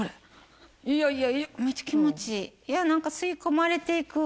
いやいや。